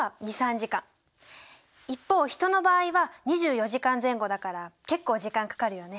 一方ヒトの場合は２４時間前後だから結構時間かかるよね。